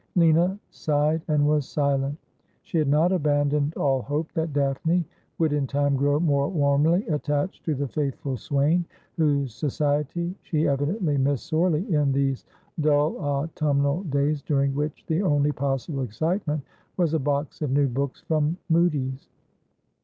Lina sighed and was silent. She had not abandoned all hope that Daphne would in time grow more warmly attached to the faithful swain, whoso society she evidently missed sorely in these dull autumnal days, during which the only possible excite ment was a box of new books from Mudie's.